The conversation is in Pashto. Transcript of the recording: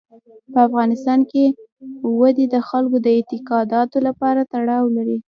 په افغانستان کې وادي د خلکو د اعتقاداتو سره تړاو لري.